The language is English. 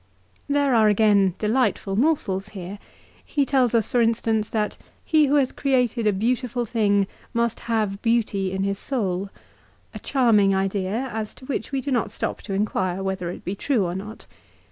There are again delightful morsels here. He tells us for instance, that he who has created a beautiful thing must have beauty in his soul, 1 a charming idea as to which we do not stop to inquire whether it be true or not.